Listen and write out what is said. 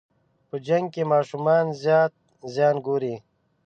په جنګ کې ماشومان زیات زیان ګوري.